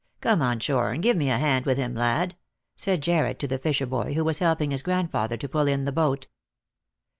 Come on shore and give me a hand with him, !ad," said Jarred to the fisherboy, who was helping his grandfather to pull in the boat.